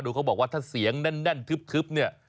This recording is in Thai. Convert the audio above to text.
เขาบอกว่าถ้าเสียงแน่นทึบเนี่ย